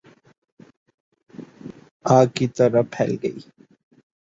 آگ کی طرح پھیل گئی